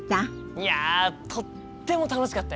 いやとっても楽しかったよ！